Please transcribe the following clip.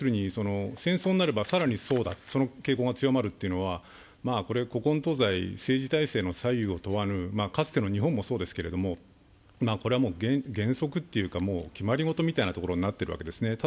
戦争になれば更にそうだ、その傾向が強まるというのは古今東西、政治体制の左右を問わぬかつての日本もそうですけれども、これは原則というか、決まりごとみたいなところになっているわけですね。